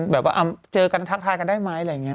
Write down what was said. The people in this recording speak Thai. แบบว่าเจอกันทักทายกันได้ไหมอะไรอย่างนี้